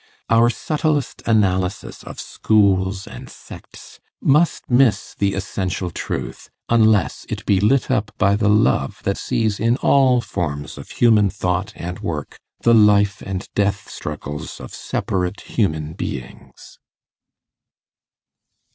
Our subtlest analysis of schools and sects must miss the essential truth, unless it be lit up by the love that sees in all forms of human thought and work, the life and death struggles of separate human beings.